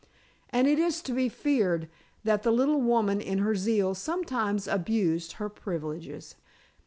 And it is to be feared, that the little woman in her zeal sometimes abused her privileges.